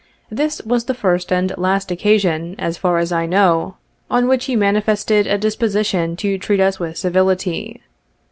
This was the first and last occasion, as far as I know, on which he manifested a disposition to treat us with civility.